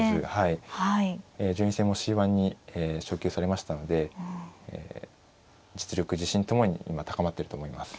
順位戦もＣ１に昇級されましたので実力自信ともに今高まってると思います。